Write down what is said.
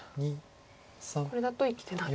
これだと生きてない。